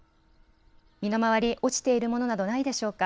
身の回り、落ちているものなどないでしょうか。